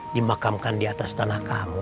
dimakamkan di atas tanah kamu